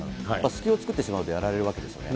隙を作ってしまうとやられるわけですよね。